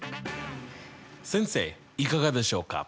先生いかがでしょうか？